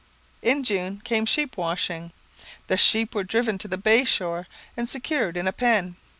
In June came sheep washing. The sheep were driven to the bay shore and secured in a pen.